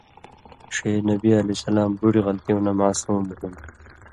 ݜے نبی علیہ السلام بُٹیۡ غلطیوں نہ معصوم ہُوۡن٘دوۡ۔